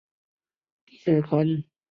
李可灼发戍边疆。